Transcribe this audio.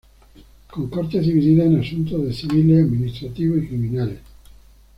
Con cortes divididas en asuntos de civiles, administrativas y criminales.